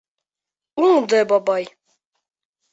— Уңды, бабай.